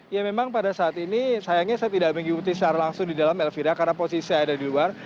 ya memang pada saat ini sayangnya saya tidak mengikuti secara langsung di dalam elvira karena posisi saya ada di luar